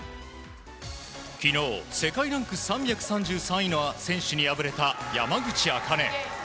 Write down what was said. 昨日、世界ランク３３３位の選手に敗れた山口茜。